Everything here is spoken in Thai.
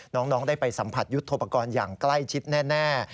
น้องได้ไปสัมผัสยุทธโปรกรณ์อย่างใกล้ชิดแน่